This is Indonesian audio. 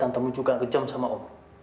nah revelation terbaru